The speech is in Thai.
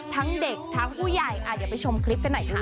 ทั้งเด็กทั้งผู้ใหญ่เดี๋ยวไปชมคลิปกันหน่อยค่ะ